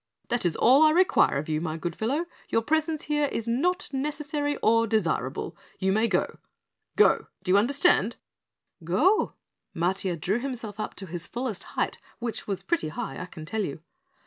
That is all I require of you, my good fellow, your presence here is not necessary or desirable. You may go. GO, do you understand?" "Go?" Matiah drew himself up to his fullest height, which was pretty high, I can tell you.